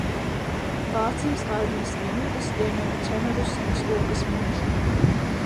Vācijas armijas vienības ieņēma Ķemerus un Slokas muižu.